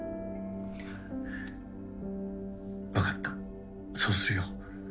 分かったそうするよ。